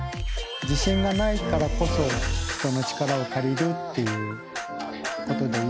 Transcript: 自信がないからこそ人の力を借りるっていうことでいいのかな。